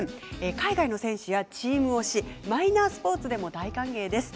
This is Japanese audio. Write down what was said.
海外の選手や、チーム推しマイナースポーツでも大歓迎です。